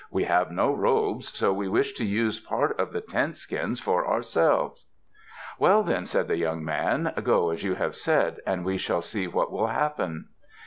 "We have no robes, so we wish to use part of the tent skins for ourselves." "Well, then," said the young man. "Go as you have said and we shall see what will happen."